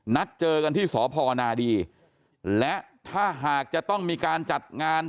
นัดเจอกันที่สพนาดีและถ้าหากจะต้องมีการจัดงาน